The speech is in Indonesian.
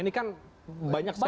ini kan banyak sekali